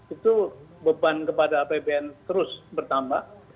itu beban kepada apbn terus bertambah